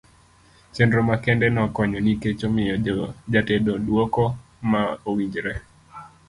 chenro makende no konyo nikech omiyo ja tedo duoko ma owinjore.